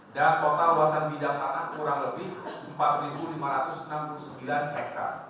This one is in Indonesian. dan total luasan bidang tanah kurang lebih empat lima ratus enam puluh sembilan hektare